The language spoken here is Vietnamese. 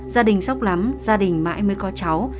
gia đình sóc lắm gia đình mãi mới có cháu